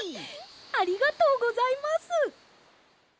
ありがとうございます。